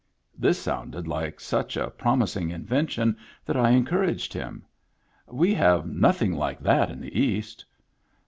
This sounded like such a promising invention that J encouraged him. "We have nothing like that in the East."